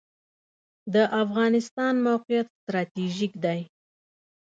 د افغانستان موقعیت ستراتیژیک دی